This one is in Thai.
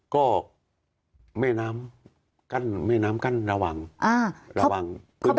ก็เมนามกั้นระหว่าง